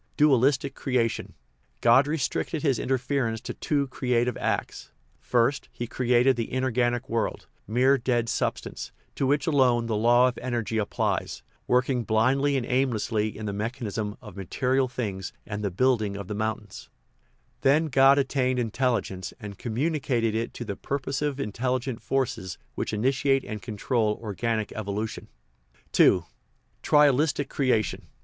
Dwtiistic creation. God restricted his interference to two creative acts. First he created the inorganic world, mere dead substance, to which alone the law of energy applies, working blindly and aimlessly in the mechanism of material things and the building of the mountains; then God attained intelligence and com municated it to the purposive intelligent forces which initiate and control organic evolution." * Reinke, Die Welt als That (1899). 236 THE EVOLUTION OF THE WORLD II. Trialistic creation.